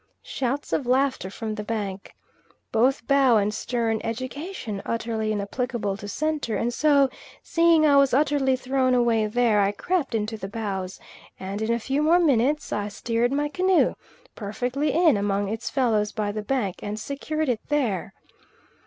Shouts of laughter from the bank. Both bow and stern education utterly inapplicable to centre; and so, seeing I was utterly thrown away there, I crept into the bows, and in a few more minutes I steered my canoe, perfectly, in among its fellows by the bank and secured it there.